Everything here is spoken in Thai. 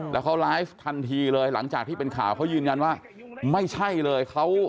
แล้วเขาไลฟ์ทันทีเลยหลังจากที่เป็นข่าวเขายืนยันว่าไม่ใช่เลยเขา